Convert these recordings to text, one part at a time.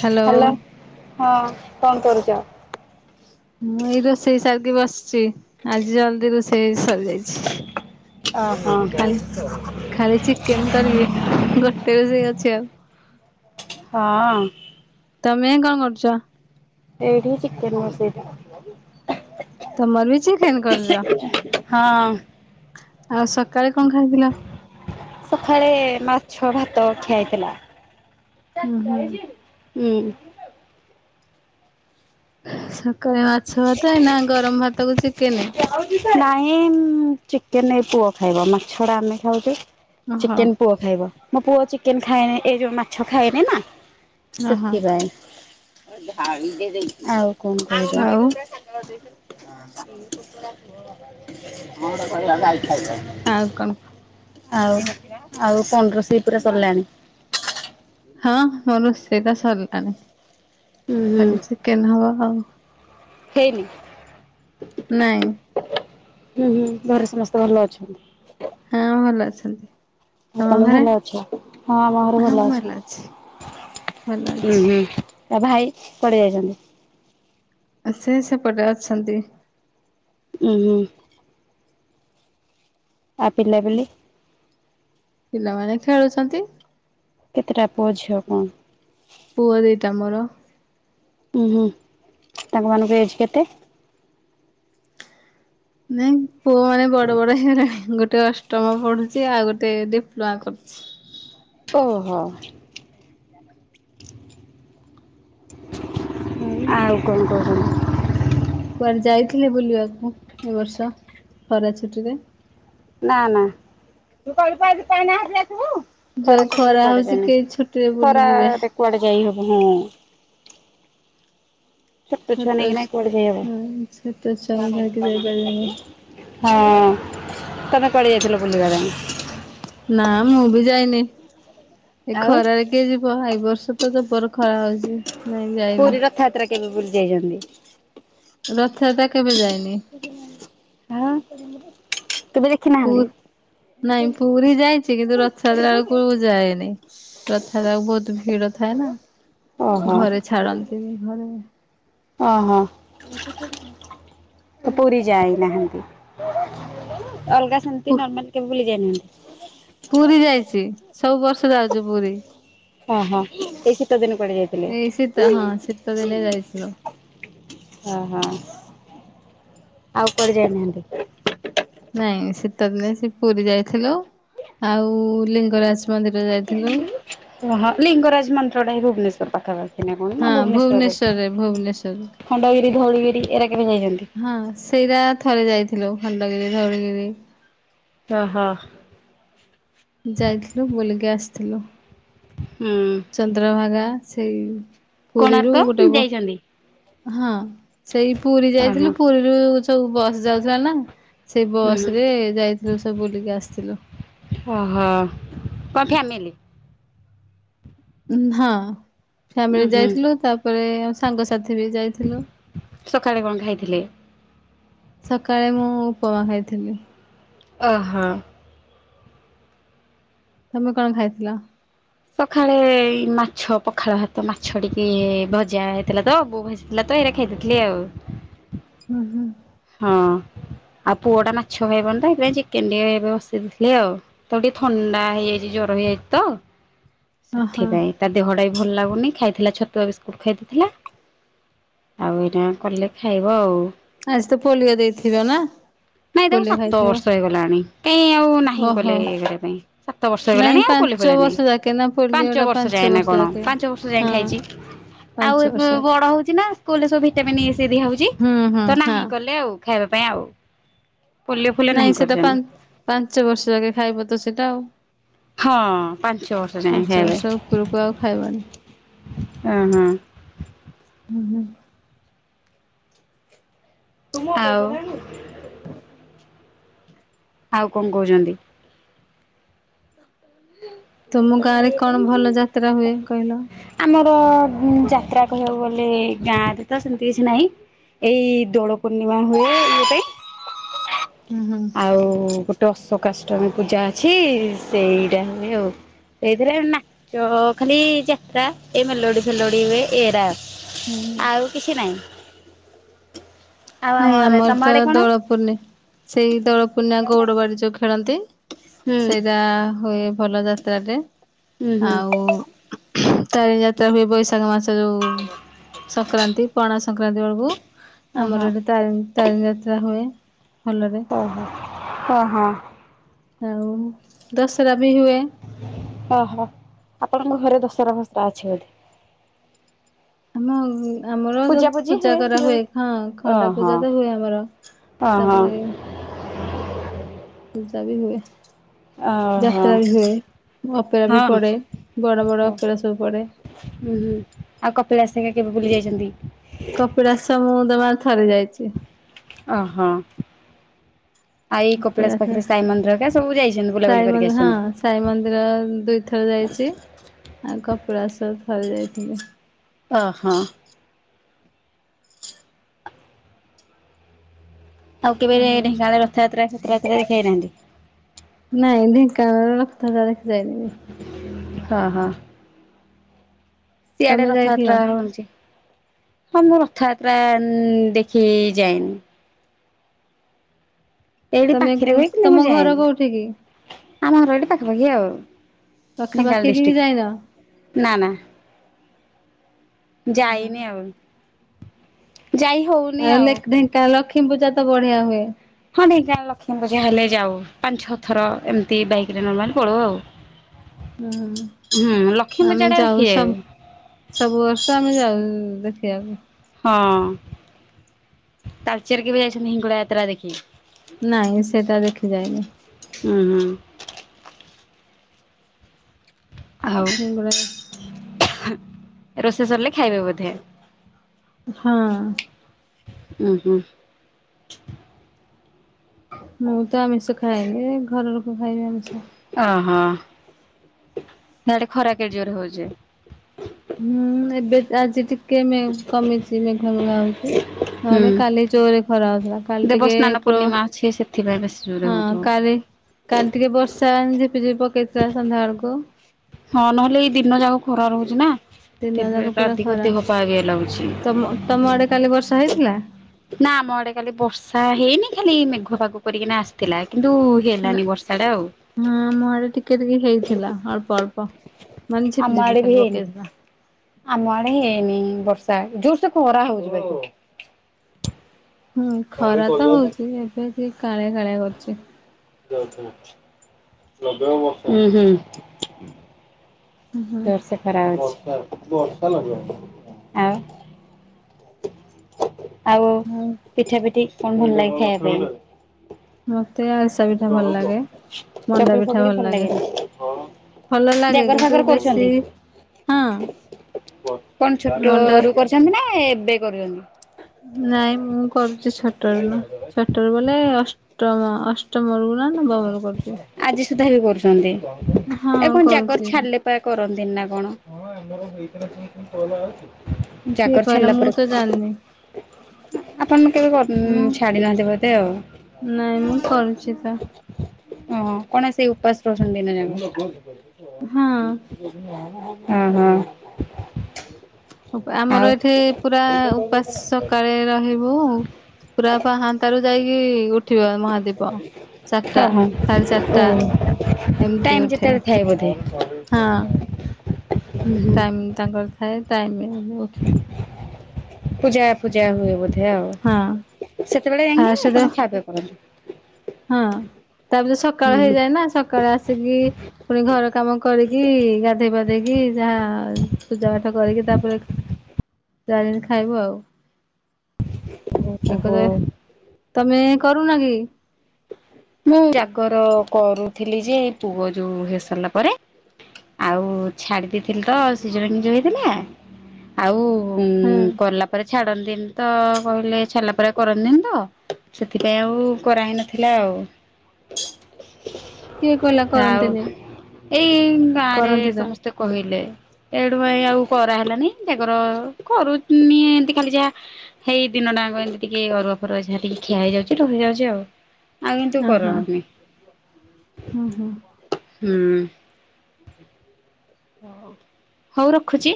Hello hello ହଁ କଣ କରୁଛ? ମୁଁ ଏଇ ରୋଷେଇ ସାରିକି ବସିଚି। ଆଜି ଜଲଦି ରୋଷେଇ ଆଜି ସରିଯାଇଛି। ଓହୋ ଖାଲି ଖାଲି ଚିକେନ କରିବି। ଗୋଟେ ରୋଷେଇ ଅଛି ଆଉ। ହଁ। ତମେ କଣ କରୁଛ? ଏଇଠି ଚିକେନ ବସେଇଥିଲି। ତ ମର ବି ଚିକେନ୍ କରିଚ? ହଁ। ଆଉ ସକାଳେ କଣ ଖାଇଥିଲ? ସଖାଳେ ମାଛ ଭାତ ଖିଆ ହେଇଥିଲା। ଉଁ ହୁଁ ହୁଁ। ସକାଳେ ମାଛ ଭାତ ଏଇନା ଗରମ ଭାତ କୁ ଚିକେନ। ନାଇଁ ଚିକେନ ଏ ପୁଅ ଖାଇବ ମାଛ ଡା ଆମେ ଖାଉଛୁ। ଓହୋ ଚିକେନ ପୁଅ ଖାଇବ ମୋ ପୁଅ ଚିକେନ ଖାଏନି ଏଇ ଯୋଉଁ ମାଛ ଖାଏନି ନା। ଓହୋ ସେଥିପାଇଁ। ଆଉ କଣ କହୁଛ? ଆଉ [unintelligible] ଆଉ କଣ? ଆଉ ଆଉ ପନ୍ଦରଶ ପୁରା ସରିଲାଣି? ହଁ ମୋର ରୋଷେଇଟା ସରିଲାଣି ହୁଁ ହୁଁ ଖାଲି ଚିକେନ ହବା ଆଉ। ହେଇନି? ନାଇଁ ହୁଁ ହୁଁ ଘରେ ସମସ୍ତେ ଭଲ ଅଛନ୍ତି? ହଁ ଭଲ ଅଛନ୍ତି। ଆଉ ତମ ତମେ ଘରେ? ଭଲ ଅଛ? ହଁ ଆମ ଘରେ ହଁ ଅଛ। ଭଲ ଅଛି। ଭଲ ଅଛି। ତା ଭାଇ କୁଆଡ଼େ ଯାଇଛନ୍ତି। ସେ ସେପଟେ ଅଛନ୍ତି। ହୁଁ ହୁଁ। ଆ ପିଲା ପିଲି? ପିଲାମାନେ ଖେଳୁଛନ୍ତି। କେତେଟା ପୁଅ ଝିଅ କଁ? ପୁଅ ଦି ଟା ମୋର। ହୁଁ ହୁଁ ତାଙ୍କ ମାନଙ୍କୁ ଏଜ୍ କେତେ? ନାଇଁ ପୁଅ ମାନେ ବଡ ବଡ ହେଇଗଲେଣି ଗୋ ଗୋଟେ ଅଷ୍ଟମ ପଢୁଛି ଆଉ ଗୋଟେ ଡିପ୍ଲୋମା କରୁଛି। ଓ ହୋ ହୋ। ଆଉ କଣ କ କୁଆଡେ ଯାଇଥିଲେ ବୁଲିବାକୁ ଏ ବର୍ଷ ଖରା ଛୁଟିରେ? ନାଁ ନାଁ ହୁଁ ଖରା ଛୁଟିରେ ଯୋଉ ଖରା କୁଆଡେ ହଉଛି ଯାଇନି କେହି ଛୁଟିରେ ବୁଲିଯିବେ ଖରାରେ କୁଆଡେ ଯାଇ ହବ ହୁଁ। ଛୋଟ ଛୁଆ ନେଇକିନା କୁଆଡ଼େ ଯାଇ ହଁ ଛୋଟ ହବ। ଛୁଆଙ୍କୁ ଧରିକି ଯାଇପାରିବେନି ହଁ ତମେ କୁଆଡେ ଯାଇଥିଲ ବୁଲିବା ପାଇଁ? ନାଁ ମୁଁ ବି ଯାଇନି। ଏ ଆଉ ଖରାରେ କିଏ ଯିବ ଏଇ ବର୍ଷ ତ ଜବର ଖରା ହଉଛି। ନାଇଁ ଯାଇନି ପୁରୀ ରଥଯାତ୍ରା କେବେ ବୁଲି ଯାଇଛନ୍ତି? ରଥଯାତ୍ରା କେବେ ଯାଇନି। ହାଁ। ପୁ ନାଇଁ ପୁରୀ ଯାଇଛି କିନ୍ତୁ ରଥଯାତ୍ରା ବେଳକୁ ଯାଇନି। ରଥଯାତ୍ରା କୁ ବହୁତ ଭିଡ ଥାଏ ନା। ଓହୋ ଘରେ ଛାଡ଼ନ୍ତି ବି ଘରେ। ଓ ହୋ। ପୁରୀ ଯାଇ ନାହାନ୍ତି। ଅଲଗା ପୁ ସେମିତି ନର୍ମାଲ କେବେ ବୁଲି ଯାଇନାହା ପୁରୀ ଯାଇଛି ସବୁ ବର୍ଷ ଯାଉଛି ପୁରୀ। ଓ ହୋ ଏଇ ଶୀତ ଦିନେ ଏଇ ଶୀତ ହଁ ଶୀତଦିନେ ଯାଇଥିଲୁ। ଓ ହୋ ଆଉ କୋଆଡେ ଯାଇ ନାହାନ୍ତି? ନାଇଁ ଶୀତ ଦିନେ ସେ ପୁରୀ ଯାଇଥିଲୁ ଆଉ ଲିଙ୍ଗରାଜ ମନ୍ଦିର ଯାଇଥିଲୁ। ଓ ହୋ ଲିଙ୍ଗରାଜ ମନ୍ଦିର ଟା ବି ଭୁବନେଶ୍ୱର ପାଖାପାଖି। ନା କଣ ନା ହଁ ଭୁବନେଶ୍ୱରରେ ଖଣ୍ଡଗିରି ଧଉଳିଗିରି ଏରା କେବେ ଯାଇଛନ୍ତି? ଭୁବନେଶ୍ୱରରେ। ହଁ ସେଇଟା ଥରେ ଯାଇଥିଲୁ। ଖଣ୍ଡ ଗିରି ଧଉଳି ଗିରି। ଓ ହୋ। ଯାଇଥିଲୁ ବୁଲିକି ଆସିଥିଲୁ ହୁଁ ଚନ୍ଦ୍ରଭାଗା ସେଇ ପୁରୀରୁ କୋଣାର୍କ ଗୋଟାଏ ହବ ଯାଇଛନ୍ତି ହଁ। ସେଇ ପୁରୀ ଓହୋ ଯାଇଥିଲୁ ପୁରୀରୁ ସବୁ ବସ୍ ଯାଉଥିଲା ନା ସେ ବସ୍ ହୁଁ। ରେ ଯାଇଥିଲୁ ସବୁ ବୁଲିକି ଆସିଥିଲୁ। ଓ ହୋ କଁ ଫ୍ୟାମିଲି? ଉଁ ହଁ। ଉଁ ଫ୍ୟାମିଲି ହୁଁ ଯାଇଥିଲୁ ତାପରେ ଆଉ ସାଙ୍ଗସାଥି ବି ଯାଇଥିଲୁ। ସକାଳେ କଣ ଖାଇଥିଲେ? ସକାଳେ ମୁଁ ଉପମା ଖାଇଥିଲି। ଓ ହୋ। ତମେ କଣ ଖାଇଥିଲ? ସଖାଳେ ଏଇ ମାଛ ପଖାଳ ଭାତ ମାଛ ଟିକେ ଭଜା ହେଇଥିଲା ତ ବୋଉ ଭଜିଥିଲା ତ। ତହିଁ ରେ ଖାଇ ଦେଇଥିଲି ଆଉ। ହ [inaudible] ହଁ। ଆଉ ପୁଅ ଟା ମାଛ ଖାଇବନି ତ ସେଥିପାଇଁ ଚିକେନ ଟିକେ ଏବେ ବସେଇ ଦେଇଥିଲି ଆଉ ତାକୁ ଟିକେ ଥଣ୍ଡା ହେଇଯାଇଛି ଯୋ ଜର ହେଇଯାଇଛି ତ। [unintelligible] ଓହୋ ସେଥିପାଇଁ ତା ଦେହଟା ବି ଭଲ ଲାଗୁ ନି ଖାଇଥିଲା ଛତୁଆ ବିସ୍କୁଟ ଖାଇଦେଇଥିଲା ଆଉ ଏଇଟା କଲେ ଖାଇବ ଆଉ। ଆଜି ତ ପୋଲିଓ ଦେଇଥିବ ନା। ନାଇଁ ତାକୁ ପୋଲିଓ ସାତ ଖାଇଥିବ। ବର୍ଷ ହେଇଗଲାଣି କାଇଁ ଆଉ ନାହିଁ କଲେ ଓହୋ ଇଏ କରିବା ପାଇଁ ସାତ ବର୍ଷ ନାଇଁ ହେଇଗଲାଣି ଆଉ ପୋଲି ପାଞ୍ଚ ପୋଲିଓ ବର୍ଷ ନାହିଁ ଯାକେ ନା ପୋଲିଓ ପାଞ୍ଚ ଟା ବର୍ଷ ଯାଏଁ ନା କଣ ଯାକେ। ପାଞ୍ଚ ବର୍ଷ ଯାଏଁ ହଁ ଖାଇଛି। ଆଉ ପାଞ୍ଚ ଏବେ ବର୍ଷ ଯାକେ ବଡ ହଉଛି ନା ସ୍କୁଲରେ ସବୁ ଭିଟାମିନ୍ ଇ ସି ଦିଆ ହଉଛି ହୁଁ ହୁଁ ତ ନାହିଁ। ହଁ। କଲେ ଆଉ ଖାଇବା ପାଇଁ ଆଉ। ପୋଲିଓ ଫୋଲିଓ ନାହିଁ ନାଇଁ ସେଟା କରିଛନ୍ତି। ପା-ପାଞ୍ଚ ବର୍ଷ ଯାକେ ଖାଇବ ତ ସେଇଟା ଆଉ। ହଁ ପାଞ୍ଚ ବର୍ଷ ଯାଏଁ ପାଞ୍ଚ ଖାଇବେ। ବର୍ଷ ଉପରକୁ ଆଉ ଖାଇବନି। ଅହଁ। ହୁଁ ହୁଁ। ଆଉ। ଆଉ କଣ କହୁଛନ୍ତି? ତୁମ ଗାଁରେ କଣ ଭଲ ଯାତ୍ରା ହୁଏ କହିଲ। ତ ଉଁ ଯାତ୍ରା କହିବାକୁ ଗଲେ ଗାଁରେ ତ ସେମତି କିଛି ନାହିଁ। ଏଇ ଦୋଳ ପୂର୍ଣ୍ଣିମା ହୁଏ ଇଏ ପାଇଁ। ହୁଁ ହୁଁ। ଆଉ ଗୋଟେ ଅଶୋକାଷ୍ଟମୀ ପୂଜା ଅଛି ସେଇଟା ହୁଏ ଆଉ। ସେଇଥିରେ ନାଚ ଖାଲି ଯାତ୍ରା ଏ ମେଲୋଡି ଫେଲୋଡି ହୁଏ ଏରା। ଆଉ କିଛି ନାହିଁ। ଆଉ ନାଇଁ ଆମର ତମ ତ ଆଡେ କଣ? ଦୋଳପୁନେଇ ସେ ସେଇ ଦୋଳ ପୂର୍ଣ୍ଣିମା ଗଉଡ ବାଡି ଯୋଉ ଖେଳନ୍ତି ହୁଁ ସେଇଟା ହୁଏ ଭଲ ଯାତ୍ରା ରେ। ହୁଁ ହୁଁ। ଆଉ ତାରିଣୀ ଯାତ୍ରା ହୁଏ ବୈଶାଖ ମାସ ଯୋଉ। ସଂକ୍ରାନ୍ତି ପଣା ସଂକ୍ରାନ୍ତି ବେଳକୁ। ଆମର ଓହୋ। ଏଠି ତାରିଣୀ ତାରିଣୀ ଯାତ୍ରା ହୁଏ। ଭଲରେ ଓ ହୋ ହଁ ହଁ। ଆଉ ଦଶହରା ବି ହୁଏ। ଓହୋ ଆପଣଙ୍କ ଘରେ ଦଶହରା ଫସରା ଅଛି ବୋଧେ। ଆମ ଉଁ ଆମର ତ ପୂଜା କରା ହୁଏ ଖ-ଖଣ୍ଡା ଓହୋ ପୂଜା ତ ହୁଏ ଆମର। ଓହୋ ତାପରେ। ପୂଜା ବି ହୁଏ। ଓ ହୋ। ଯାତ୍ରା ବି ହୁଏ। ଅପେରା ବି ହଁ ଓ ହୋ ପଡେ ବଡ ବଡ ଅପେରା ସବୁ ପଡେ। ହଁ ହୁଁ ଆଉ କପିଳାସ ଆଜ୍ଞା କେବେ ବୁଲି ଯାଇଛନ୍ତି। କପିଳାସ ମୁଁ ଜମା ଥରେ ଯାଇଚି। ଓ ହୋ। ହଁ କପିଳାସ ହେରିକା ସବୁ ଯାଇଛନ୍ତି ବୁଲାବୁଲି ସାଇ କରିକି ମନ୍ଦିର ଆସିଛନ୍ତି। ହଁ ସାଇ ମନ୍ଦିର ଦୁଇଥର ଯାଇ ଛି ଆଉ କପିଳାସ ସବ ଥରେ ଯାଇଥିଲି। ଓହୋ। ଆଉ କେବେ ଏ ଢେଙ୍କାନାଳରେ ରଥଯାତ୍ରା ଫତରଯାତ୍ରା ଦେଖି ଆଇନାହାନ୍ତି। ନାଇଁ ଢେଙ୍କାନାଳ ରେ ରଥଯାତ୍ରା ଦେଖିପାଇନିନି। ହଁ ହଁ ସିଆଡେ ତମେ ଯାଇଥିଲ? ରଥଯାତ୍ରା ହଉଛି। ହଁ ମୁଁ ରଥଯାତ୍ରା ଉଁ ଦେଖି ଯାଏନି। ଏଇଠି ତମେ ପାଖିରେ ହ କିନ୍ତୁ ତମ ମୁଁ ଘର ଯାଏନି କୋଉଠି କି ଆମ ଘର ଏଇଠି ପାଖାପାଖି ଆଉ। ପାଖା ଢେଙ୍କାନାଳ ପାାଖି କି ବି ଡିଷ୍ଟ୍ରିକ୍ଟ ଯାଇନ। ନା ନା ଯାଇନି ଆଉ। ଯାଇ ହଉନି ଆଉ ଢେଙ୍କ ଲକ୍ଷ୍ମୀ ପୂଜା ତ ବଢିଆ ହୁଏ। ହଁ ଢେଙ୍କାନାଳ ଲକ୍ଷ୍ମୀ ପୂଜା ହେଲେ ଯାଉ ପାଞ୍ଚ ଛ ଥର ଏମିତି ବାଇକ ରେ ନର୍ମାଲ ପଳୋଉ ଆଉ। ଲକ୍ଷ୍ମୀ ହୁଁ ପୂଜା ଆମେ ଟା ଯାଉ ଦେଖିଯାଏ ସବୁ ସବୁ ବର୍ଷ ଆମେ ଯାଉ। ଦେଖିବାକୁ। ହଁ ତାଲଚେର କେବେ ଯାଇଛନ୍ତି ହିଙ୍ଗଡା ଯାତ୍ରା ଦେଖି। ନାଇଁ ସେଟା ଦେଖି ଯାଇନି। ଉୁଁ ହୁଁ ଆଉ ହିଙ୍ଗୁଳା। ରୋଷେଇ ସରିଲେ ଖାଇବେ ବୋଧେ। ହଁ। ଓୁଁ ହୁଁ। ମୁଁ ତ ଆମିଷ ଖାଇବି ଘର ଲୋକ ଖାଇବି ଆମିଷ। ନ ଖରା କେଡେ ଜୋର ହଉଛି। ହୁଁ ଏବେ ଆଜି ଟିକେ କମିଛି ମେଘମ। ଖରା ହଉଛି ନହେଲେ ହୁଁ। କାଲି ଚୋରରେ ଖରା ହଉଥିଲା। କାଲି ଟିକେ ଦେବସ୍ନାନ ଉପ୍ର ପୂର୍ଣ୍ଣିମା ଅଛି ସେଥିପାଇଁ ବେଶୀ ଜୋରରେ ହଁ ହଉଥିବ। କାଲି କାଲି ଟିକେ ବର୍ଷା ଝିପି ଝିପି ପକେଇ ସନ୍ଧ୍ୟା ବେଳୁକୁ। ହଁ ନହେଲେ ଏଇ ଦିନ ଯାକ ଖରା ରହୁଛି ନା। ଦିନ ଯାକ ଟେମ୍ପରେଚର ପୁରା ଅଧିକ ଖରା ଦେହ ପା ବିଏ ଲାଗୁଛି। ତମ ତମ ଆଡେ କାଲି ବର୍ଷା ହେଇଥିଲା। ନା ଆମ ଆଡେ ଖାଲି ବର୍ଷା ହେଇନି ଖାଲି ମେଘ ଫାଗ କରିକିନା ଆସିଥିଲା। କିନ୍ତୁ ହେଲାନି ବର୍ଷା ଟା ଆଉ। ହଁ ଆମ ଆଡେ ଟିକେ ଟିକେ ହେଇଥିଲା ଅଳ୍ପ ଅଳ୍ପ ମାନେ ଆମ ଝିପି ଆଡେ ଝିପି ବି ଖାଲି ହେଇନି ପକେଇଥିଲା। ଆମ ଆଡେ ହେଇନି ବର୍ଷା ଜୋରସ କ ହରା ହଉଛି। ହୁଁ ଖରା ତ ହଉଛି ଏବେ କି କାଳିଆ କାଳିଆ କରୁଛି। ଉଁ ହୁଁ। ହୁଁ ଜୋର ସେ ଖରା ଆଉଛି। ଆଉ ପିଠା ପିଠି କଣ ଭଲ ଲାଗେ ଖାଇବା ପାଇଁ। ମତେ ଆଳିସା ପିଠା ଭଲ ଲାଗେ ମଣ୍ଡା ଚକୁଳି ପିଠା ଫକୁଳି ଭଲ ଲାଗେ। ଲାଗେନି ଭଲ ଲାଗେ ଜାଗର କିନ୍ତୁ ଫାଗର ବେଶୀ କରୁଛନ୍ତି? ହଁ। କଣ ଛୋଟ ମଣ୍ଡା ରୁ କରୁଛନ୍ତି ନା ଏବେ କରୁଛନ୍ତି। ନାଇଁ ମୁଁ କରୁଛି ଛଟରୁ ନା ଛଟରୁ ବୋଲେ ଅଷ୍ଟମ ଅଷ୍ଟ। ମରିବୁ ନା [inaudible] କରୁଛୀ। ଆଜି ସୁଦ୍ଧା ବି କରୁଛନ୍ତି। ଏ କଣ ଜାଗର କରୁଛି ଛାଡିଲେ ପା କରନ୍ତିୁ। କରନ୍ତିନି ନା କଣ। କିଏ ଜାଗର କହିଲା ଛାଡିଲାପ। ମୁଁ ତ ଜାଣିନି ଆପଣ କେବେ ମୁଁ ଛାଡି ନାହାନ୍ତି ବୋଦେ ଆଉ। ନାଇଁ ମୁଁ କରୁଛି ତ। ଓ କଣ ସେଇ ଉପାସ ରୋହୁଛନ୍ତି ଦିନ ଜାଙ୍କ। ହଁ। ହଁ ହଁ। ଆମର ଏଠି ପୁରା ଉପାସ ସକାଳେ ରହିବୁ। ପୁରା ପହାତା ରୁ ଯାଇକି। ଉଠିବ ମହାଦୀପ ଚାରିଟା ଓହୋ ସାଢେ ଓ ଚାରିଟା ଏମିତି ଟାଇମ୍ ଉଠେ। ଯେତେବେଳେ ଥାଏ ବୋଧେ? ହଁ ହୁଁ ହୁଁ ଟାଇମ ତାଙ୍କର ଥାଏ ଟାଇମ। ଉଠେ ପୂଜା ଫୂଜା ହୁଏ ବୋଧେ ଆଉ ହଁ। ସେତେବେଳେ ଯି ଫାଷ୍ଟ ଦେ ଆପଣ ଜାଇକି ଖାଆ ପିଅ କରନ୍ତି। ହଁ। ତାପରେ ସକାଳ ହେଇଯାଏ ହୁଁ ନା ସକାଳେ ଆସିକି ପୁଣି ଘର କାମ କରିକି ଗାଧୋଇପାଧ। ପାଧିକି ଯାହା ପୂଜା ପାଠ କରିକି ତାପରେ। ଯାହା ଯେମିତି ଖାଇବୁ ଆଉ ତାପରେ ଓହୋ ତମେ। କରୁନ କି? ମୁଁ ଜାଗର କରୁଥିଲି ଯେ ପୁଅ ଯୋଉ ହେଇସାରିଲା ପରେ ଆଉ ଛାଡି ଦେଇଥିଲି ତ ସିଜରିଙ୍ଗ ଯୋଉ ହେଇଥିଲା। ଆଉ ଉଁ, ହଁ କଲା ପରେ ଛାଡ଼ନ୍ତିନି ତ କହିଲେ ଛାଡ଼ିଲା ପରେ ଆଉ କରନ୍ତିନି ତ। ସେଥିପାଇଁ ଆଉ କରା ହେଇନ ଥିଲା ଆଉ। କିଏ କହିଲା ଆଉ କରନ୍ତିନି। ଏଇ ଗାଁରେ କରନ୍ତି ତ ସମସ୍ତେ କହିଲେ। ଏଇଠୁ ପାଇଁ ଆଉ କରାହେଲାନି ଜାଗର କରୁନି ଏମତି ଖାଲି ଯାହା ହେଇ ଦିନ ଟାଙ୍କ ଏମିତି ଟିକେ ଅରୁ ଅରୁଆ ଫରୁଆ ଯାହା ଟିକିଏ ଖିଆ ହେଇଯାଉଚି, ରହିଯାଉଚି ଆଉ। ଆଉ କିନ୍ତୁ ଓହୋ କରନି। ହଁ ହୁଁ,। ହଁ ହଁ ହୋ ହଉ ହଉ ରଖୁଚି।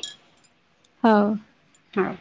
ହଉ। ହଁ।